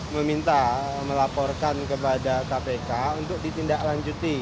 meminta melaporkan kepada kpk untuk ditindaklanjuti